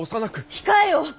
控えよ！